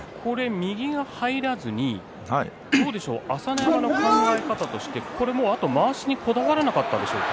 右が入らずに朝乃山の考え方としてあとまわしにこだわらなかったんでしょうか。